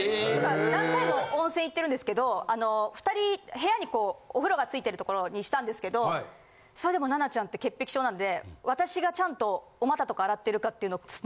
何回も温泉行ってるんですけど２人部屋にお風呂が付いてる所にしたんですけどそれでも奈々ちゃんって潔癖症なんで私がちゃんと。